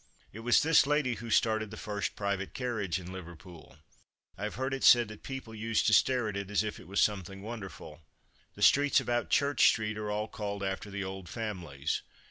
It was this lady who started the first private carriage in Liverpool. I have heard it said that people used to stare at it, as if it was something wonderful. The streets about Church street are all called after the old families.